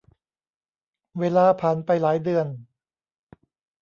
เวลาผ่านไปหลายเดือน